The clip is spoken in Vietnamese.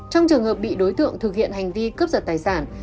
trong trường hợp bị đối tượng thực hiện hành vi cướp giật tài sản